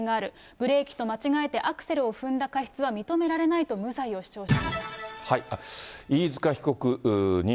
ブレーキと間違えてアクセルを踏んだ過失は認められないと無罪を主張しています。